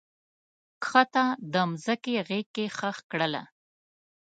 کښته د مځکې غیږ کې ښخ کړله